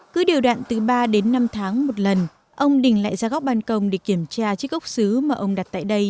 cứ điều đoạn từ ba đến năm tháng một lần ông đình lại ra góc bàn công để kiểm tra chiếc ốc xứ mà ông đặt tại đây